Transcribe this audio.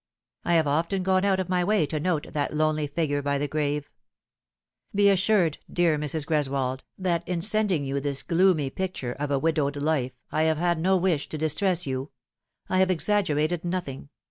I have often gone out of my way to note that lonely figure by the grave. Be assured, dear Mrs. Greswold, that in sending you this gloomy picture of a widowed life I have had no wish to distress you. I have exaggerated nothing.